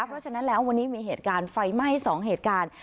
เพราะฉะนั้นแล้ววันนี้มีเหตุการณ์ไฟไหม้๒เหตุการณ์